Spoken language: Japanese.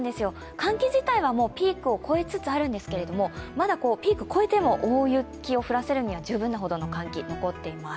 寒気自体はピークを越えつつあるんですけども、まだピーク超えても大雪を降らせるには十分なほどの寒気が残っています。